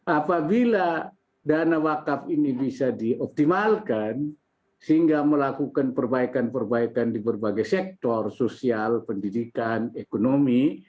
apabila dana wakaf ini bisa dioptimalkan sehingga melakukan perbaikan perbaikan di berbagai sektor sosial pendidikan ekonomi